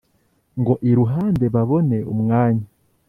Ngo iruhande babone umwanya.